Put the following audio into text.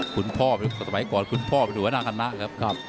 คุณพ่อเป็นสมัยก่อนคุณพ่อเป็นหัวหน้าคณะครับ